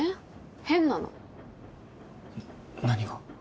変なの何が？